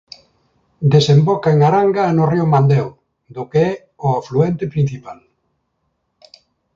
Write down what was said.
Desemboca en Aranga no río Mandeo do que é o afluente principal.